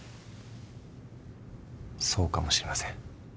そうかもしれません。